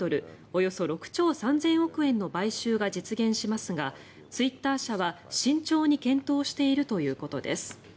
およそ６兆３０００億円の買収が実現しますがツイッター社は慎重に検討しているということです。